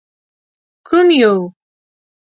_کوم يو؟